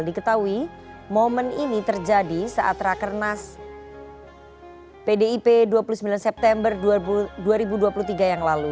diketahui momen ini terjadi saat rakernas pdip dua puluh sembilan september dua ribu dua puluh tiga yang lalu